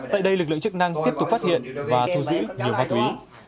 tại đây lực lượng chức năng tiếp tục phát hiện và thu giữ nhiều ma túy